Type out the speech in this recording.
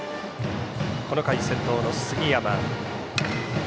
この回、先頭の杉山。